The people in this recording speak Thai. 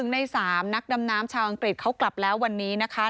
ใน๓นักดำน้ำชาวอังกฤษเขากลับแล้ววันนี้นะคะ